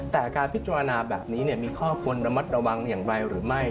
แต่การพิจารณาแบบนี้มีข้อควรระมัดระวังอย่างไรหรือไม่